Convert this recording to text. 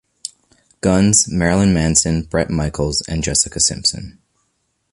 Guns, Marilyn Manson, Bret Michaels and Jessica Simpson.